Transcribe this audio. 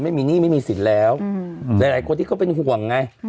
ไม่มีหนี้ไม่มีสิทธิ์แล้วอืมหลายหลายคนที่เขาเป็นห่วงไงอืม